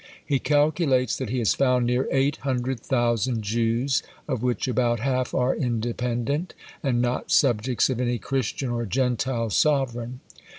He calculates that he has found near eight hundred thousand Jews, of which about half are independent, and not subjects of any Christian or Gentile sovereign.